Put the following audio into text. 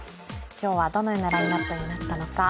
今日はどのようなランキングになったのか。